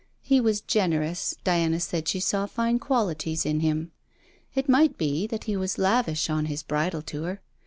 He was generous, Diana, said she saw fine qualities in him. It might be that he was lavish on his bridal tour.